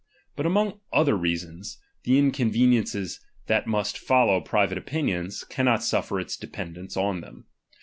But among other reasons, the inconveniences that must follow private opinions, cannot suflFer its dependance on them.